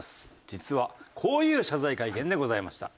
実はこういう謝罪会見でございました。